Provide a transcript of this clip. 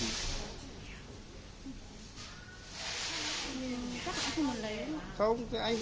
các hãng không còn lấy